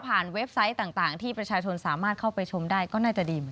ผ่านเว็บไซต์ต่างที่ประชาชนสามารถเข้าไปชมได้ก็น่าจะดี